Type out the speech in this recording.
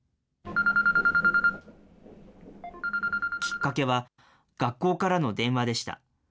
きっかけは、学校からの電話でした。